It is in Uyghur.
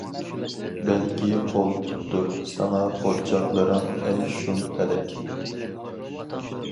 بەلكى قول-پۇتتۇر ساڭا قورچاقلىرىڭ ئەي شۇم پەلەك.